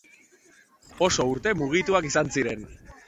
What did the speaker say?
Oso urte mugituak izan ziren.